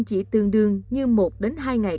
chỉ tương đương như một hai ngày